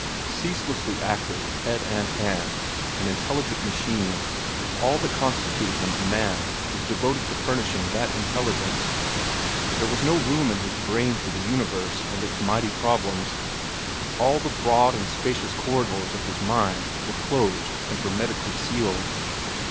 Ceaselessly active, head and hand, an intelligent machine, all that constituted him a man was devoted to furnishing that intelligence. There was no room in his brain for the universe and its mighty problems. All the broad and spacious corridors of his mind were closed and hermetically sealed.